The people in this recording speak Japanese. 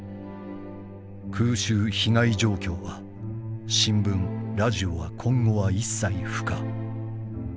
「空襲被害状況は新聞ラジオは今後は一切不可。